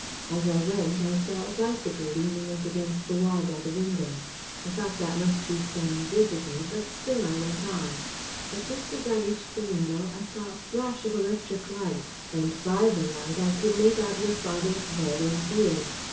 As I went, I saw a bicycle leaning up against the wall by the window. I thought that must be some visitor, but still I went on. But just as I reached the window, I saw a flash of electric light; and by the light, I could make out your father's head and beard.